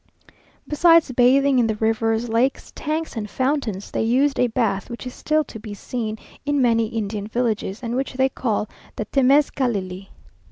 Besides bathing in the rivers, lakes, tanks, and fountains, they used a bath which is still to be seen in many Indian villages, and which they call the temezcalli.